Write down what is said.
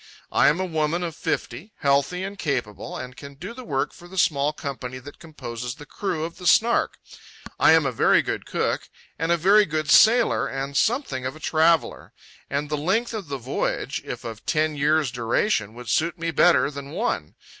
I am a woman of fifty, healthy and capable, and can do the work for the small company that compose the crew of the Snark. I am a very good cook and a very good sailor and something of a traveller, and the length of the voyage, if of ten years' duration, would suit me better than one.